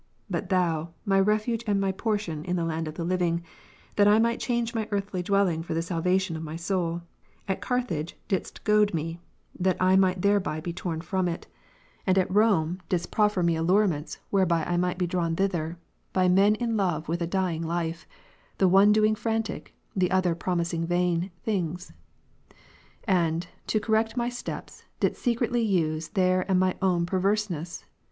ButThou,m?/ re/wye and my portion in the land of the living, that I might change my earthly dwelling for the salvation of my soul, at Carthage didst goad me, that I might thereby be torn from it ; and at p See above, 1. iii. § 6. His mother's prayers heard, by being denied. 75 Rome didst proffer me allurements, whereby I might be drawn thither, by men in love with a dying life, the one do ing frantic, the other promising vain, things; and, to correct my steps, didst secretly use their and my own perverseness.